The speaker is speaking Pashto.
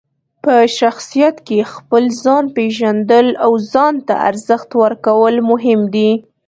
په شخصیت کې خپل ځان پېژندل او ځان ته ارزښت ورکول مهم دي.